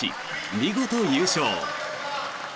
見事、優勝。